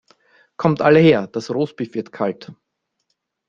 Kommt alle her, das Roastbeef wird kalt!